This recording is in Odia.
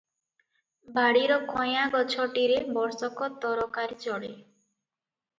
ବାଡ଼ିର କୟାଁ ଗଛଟିରେ ବର୍ଷକ ତରକାରି ଚଳେ ।